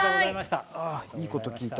いいこと聞いた。